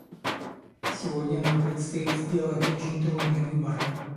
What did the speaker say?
Сегодня нам предстоит сделать очень трудный выбор.